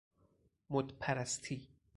مد پرستی